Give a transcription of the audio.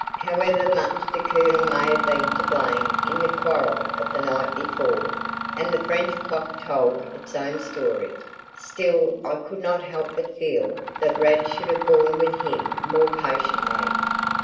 However much the Colonel may have been to blame in their quarrel of the night before and the French clock told its own story still I could not help but feel that Rad should have borne with him more patiently.